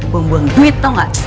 buang buang duit tau gak